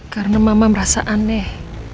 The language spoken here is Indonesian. karena mama merasa aneh